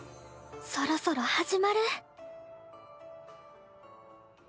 そろそろ始まる。